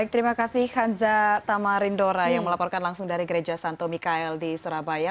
terima kasih kanza tamarindora yang melaporkan langsung dari gereja santo mikael di surabaya